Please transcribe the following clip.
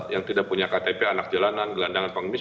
yang tidak punya ktp anak jalanan gelandangan pengemis